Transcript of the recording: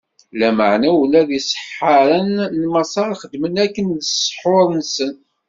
Lameɛna ula d iseḥḥaren n Maṣer xedmen akken s ssḥur-nsen.